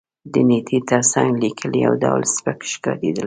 د نېټې تر څنګ لېکل یو ډول سپک ښکارېدل.